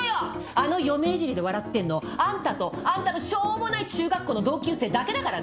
あの嫁いじりで笑ってんのあんたとあんたのしょうもない中学校の同級生だけだからね。